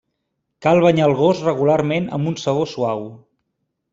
Cal banyar el gos regularment amb un sabó suau.